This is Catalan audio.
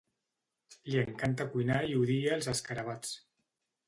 Li encanta cuinar i odia els escarabats.